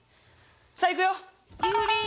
さあいくよ！